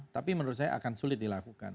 tapi menurut saya akan sulit dilakukan